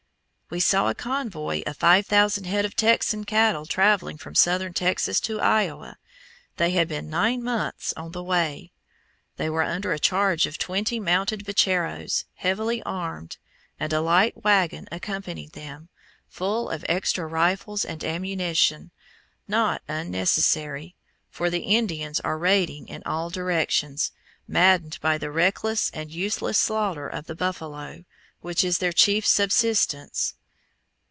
We saw a convoy of 5,000 head of Texas cattle traveling from southern Texas to Iowa. They had been nine months on the way! They were under the charge of twenty mounted vacheros, heavily armed, and a light wagon accompanied them, full of extra rifles and ammunition, not unnecessary, for the Indians are raiding in all directions, maddened by the reckless and useless slaughter of the buffalo, which is their chief subsistence.